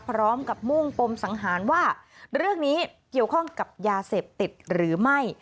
มุ่งปมสังหารว่าเรื่องนี้เกี่ยวข้องกับยาเสพติดหรือไม่